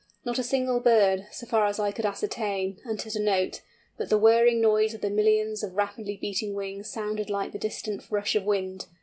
Not a single bird, so far as I could ascertain, uttered a note, but the whirring noise of the millions of rapidly beating wings sounded like the distant rush of wind!